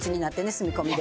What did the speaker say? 住み込みで。